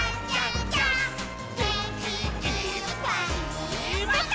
「げんきいっぱいもっと」